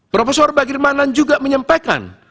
prof bagirmanan juga menyampaikan